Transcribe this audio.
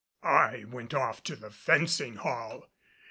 I went off to the fencing hall.